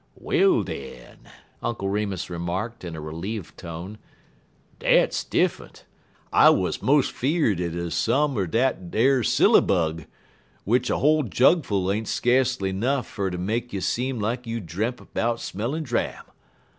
"Well, den," Uncle Remus remarked, in a relieved tone, "dat's diffunt. I wuz mos' fear'd it 'uz some er dat ar sillerbug, w'ich a whole jugful ain't ska'cely 'nuff fer ter make you seem like you dremp 'bout smellin' dram.